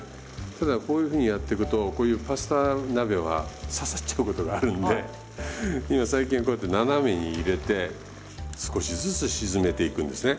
ただこういうふうにやっていくとこういうパスタ鍋は刺さっちゃうことがあるんで今最近はこうやって斜めに入れて少しずつ沈めていくんですね。